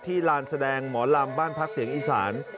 ลานแสดงหมอลำบ้านพักเสียงอีสาน